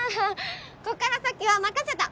こっから先は任せた！